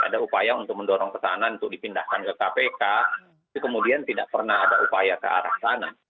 ada upaya untuk mendorong pesanan untuk dipindahkan ke kpk itu kemudian tidak pernah ada upaya ke arah sana